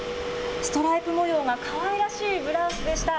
ストライプ模様がかわいらしいブラウスでした。